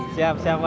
siap siap wah